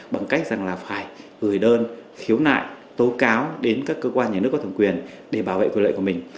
bằng cách rằng là phải gửi đơn khiếu nại tố cáo đến các cơ quan nhà nước có thẩm quyền để bảo vệ quyền lợi của mình